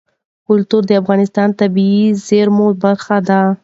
کلتور د افغانستان د طبیعي زیرمو برخه ده.